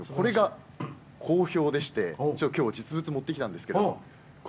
これが好評でしてきょう実物を持ってきたんです。